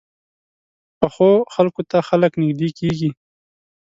پخو خلکو ته خلک نږدې کېږي